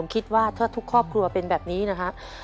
คิดว่าถ้าทุกครอบครัวเป็นแบบนี้นะครับ